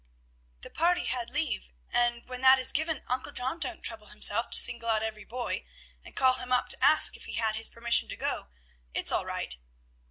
"The party had leave, and when that is given, Uncle John don't trouble himself to single out every boy, and call him up to ask if he had his permission to go. It's all right."